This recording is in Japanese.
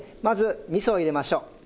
まず味噌を入れましょう。